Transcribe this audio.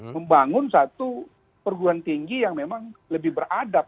membangun satu perguruan tinggi yang memang lebih beradab